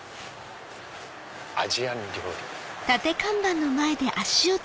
アジアン料理。